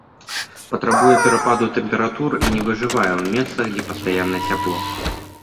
Патрабуе перападаў тэмператур і не выжывае ў месцах, дзе пастаянна цяпло.